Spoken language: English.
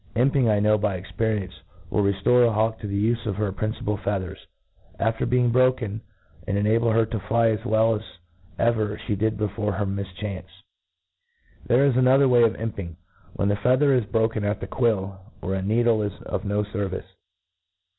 Imping, I know by experience, will rcftorc a hawk to the ufe t)f her principal feathers, aftct* being broken, and enable her to fly as well zt ever fhe did before her niifchanee^ ^ There is another way of imping, wten the? feather is brolten at the quill, where a needle is of no fervicc.